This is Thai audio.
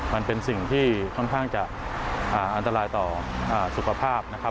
มันเป็นสิ่งที่ค่อนข้างจะอันตรายต่อสุขภาพนะครับ